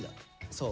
そう。